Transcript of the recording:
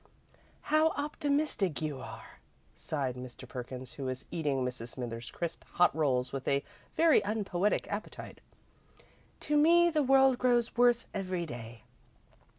"How optimistic you are!" sighed Mr. Perkins, who was eating Mrs. Smithers's crisp, hot rolls with a very unpoetic appetite. "To me, the world grows worse every day.